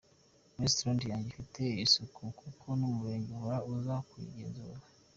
Restaurant yanjye ifite isuku kuko n’umurenge uhora uza kuyigenzura.